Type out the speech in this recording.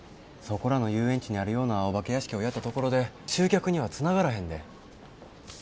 そこらの遊園地にあるようなお化け屋敷をやったところで集客にはつながらへんで。